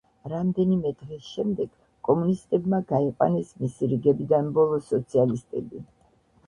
რამდენიმე დღის შემდეგ, კომუნისტებმა გაიყვანეს მისი რიგებიდან ბოლო სოციალისტები.